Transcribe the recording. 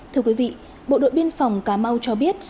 thưa quý vị bộ đội biên phòng cà mau cho biết